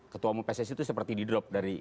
ketua umum pssi itu seperti di drop dari